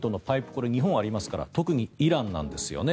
これ、日本はありますから特にイランなんですよね。